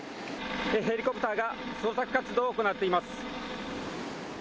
ヘリコプターが捜索活動を行っています。